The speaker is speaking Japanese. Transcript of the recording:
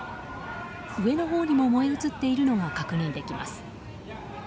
上のほうにも燃え移っているのが確認できます。